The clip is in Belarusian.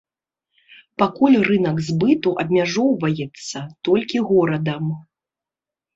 Пакуль рынак збыту абмяжоўваецца толькі горадам.